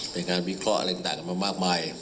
เป็นการวิเคราะห์อะไรต่างกันมามากมาย